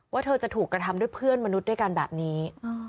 เธอจะถูกกระทำด้วยเพื่อนมนุษย์ด้วยกันแบบนี้